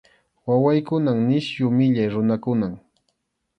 Wawaykunan nisyu millay runakunam.